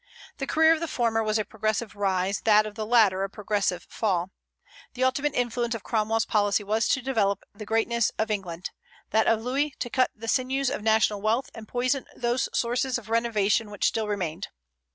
The career of the former was a progressive rise, that of the latter a progressive fall. The ultimate influence of Cromwell's policy was to develop the greatness of England; that of Louis, to cut the sinews of national wealth, and poison those sources of renovation which still remained.